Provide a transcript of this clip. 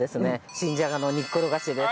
新じゃがの煮っころがしです。